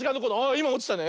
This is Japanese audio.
いまおちたね。